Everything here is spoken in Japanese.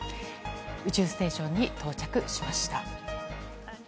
宇宙ステーションに到着しました。